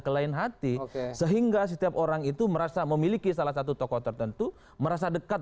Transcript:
ke lain hati sehingga setiap orang itu merasa memiliki salah satu tokoh tertentu merasa dekat